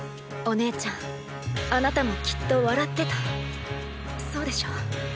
お姉ちゃんあなたもきっと笑ってたそうでしょ？